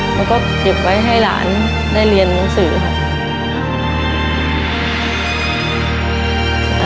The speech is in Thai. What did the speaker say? แล้วก็เก็บไว้ให้หลานได้เรียนหนังสือค่ะ